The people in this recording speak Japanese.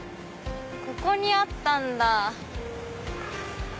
ここにあったんだ。